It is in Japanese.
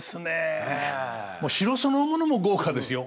もう城そのものも豪華ですよ